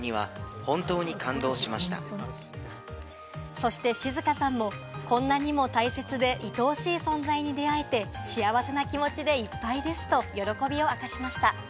そして静さんもこんなにも大切で、いとおしい存在に出会えて幸せな気持ちでいっぱいですと喜びを明かしました。